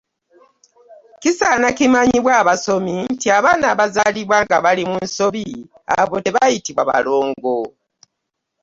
Kisaana kimanyibwe abasomi nti abaana abazaalibwa nga bali mu nsobi, abo tebayitibwa balongo.